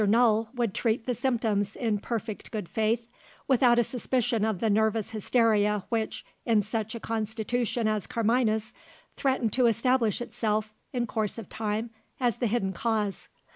Null would treat the symptoms in perfect good faith without a suspicion of the nervous hysteria which, in such a constitution as Carmina's, threatened to establish itself, in course of time, as the hidden cause.